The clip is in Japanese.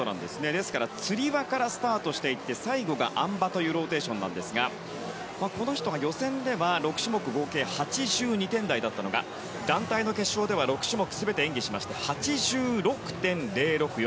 ですから、つり輪からスタートしていって最後があん馬というローテーションですがこの人は予選では６種目合計８２点台だったのが団体の決勝では６種目全て演技しまして８６．０６４。